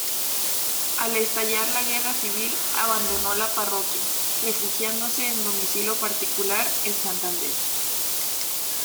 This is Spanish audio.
Al estallar la Guerra Civil, abandonó la parroquia, refugiándose en domicilio particular en Santander.